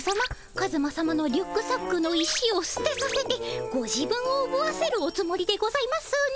カズマさまのリュックサックの石をすてさせてご自分をおぶわせるおつもりでございますね。